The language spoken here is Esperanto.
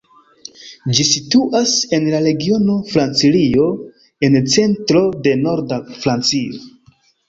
Ĝi situas en la regiono Francilio en centro de norda Francio.